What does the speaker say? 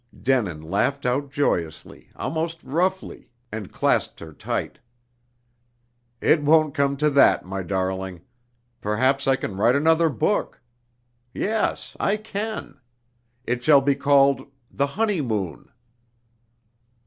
Denin laughed out joyously, almost roughly, and clasped her tight. "It won't come to that, my darling! Perhaps I can write another book. Yes, I can! It shall be called 'The Honeymoon.'"